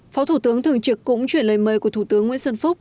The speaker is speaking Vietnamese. phó thủ tướng thường trực cũng chuyển lời mời của thủ tướng nguyễn xuân phúc